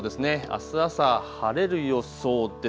あす朝、晴れる予想です。